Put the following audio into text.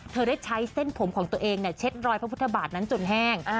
ได้ใช้เส้นผมของตัวเองเช็ดรอยพระพุทธบาทนั้นจนแห้ง